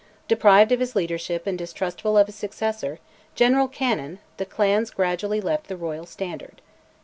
Deprived of his leadership and distrustful of his successor, General Cannon, the clans gradually left the Royal Standard.